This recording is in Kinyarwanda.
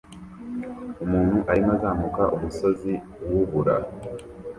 Umuntu arimo azamuka umusozi wubura